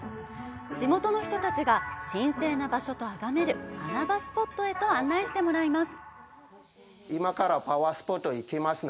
地元の人たちが神聖な場所とあがめる穴場スポットへと案内してもらいます。